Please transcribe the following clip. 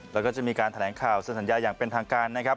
แล้วก็จะมีการแถลงข่าวเซ็นสัญญาอย่างเป็นทางการนะครับ